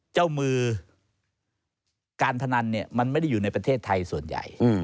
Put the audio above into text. เจ้ามือการพนันเนี่ยมันไม่ได้อยู่ในประเทศไทยส่วนใหญ่